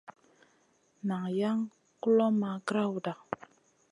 Nan jaŋ kulomʼma grawda.